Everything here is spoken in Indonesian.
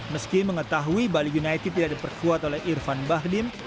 meski mengetahui bali united tidak diperkuat oleh irfan bahdim